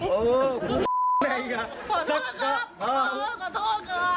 ตีิหรอครับ